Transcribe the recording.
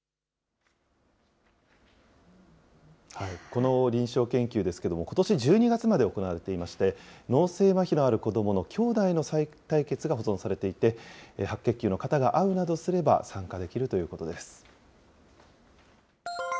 この臨床研究ですけれども、ことし１２月まで行われていまして、脳性まひのある子どものきょうだいのさい帯血が保存されていて、白血球の型などが合うなどすれば、参加できるということです。